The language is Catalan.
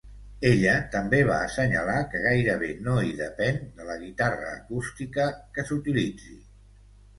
Ella també va assenyalar que gairebé no hi depèn de la guitarra acústica que s'utilitzi.